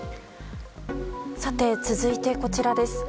続いて、こちらです。